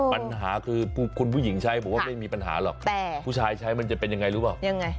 ปัญหาคือคุณผู้หญิงใช้บอกว่าไม่มีปัญหาหรอกแต่ผู้ชายใช้มันจะเป็นยังไงหรือเปล่ายังไง